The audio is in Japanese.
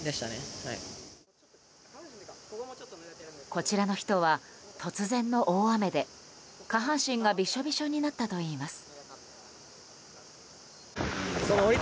こちらの人は突然の大雨で下半身がびしょびしょになったといいます。